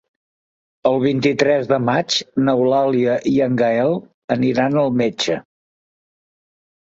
El vint-i-tres de maig n'Eulàlia i en Gaël iran al metge.